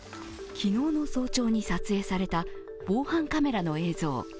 昨日の早朝に撮影された防犯カメラの映像。